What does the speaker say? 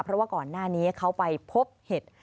เพราะว่าก่อนหน้านี้เขาไปพบเห็ด